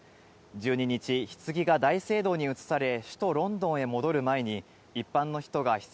１２日、ひつぎが大聖堂に移され、首都ロンドンへ戻る前に、一般の人がひ